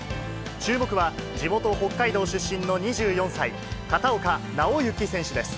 注目は、地元、北海道出身の２４歳、片岡尚之選手です。